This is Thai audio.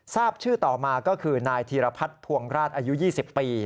ทราบชื่อต่อมาก็คือนายธีรพัฒน์ภวงราชอายุ๒๐ปี